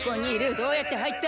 どうやって入った！？